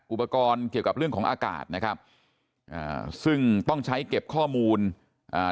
อุปกรณ์เกี่ยวกับเรื่องของอากาศนะครับอ่าซึ่งต้องใช้เก็บข้อมูลอ่า